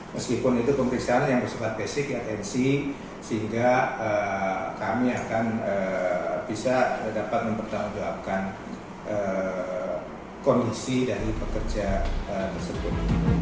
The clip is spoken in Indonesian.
meskipun itu pemeriksaan yang bersifat basic atensi sehingga kami akan bisa dapat mempertanggungjawabkan kondisi dari pekerja tersebut